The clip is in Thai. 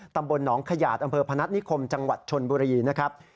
ตำบลหนองขยาดอำเภอพนัฐนิคมจังหวัดชนบุรีนะครับ